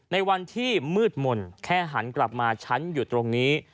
ในวันที่มืดมนต์แค่หันกลับมาฉันอยู่ตรงนี้